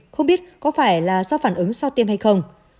không biết có phải là do phản ứng sau tiêm hay không